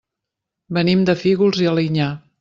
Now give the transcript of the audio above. Venim de Fígols i Alinyà.